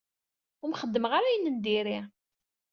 Ur m-xeddmeɣ ara ayen n diri.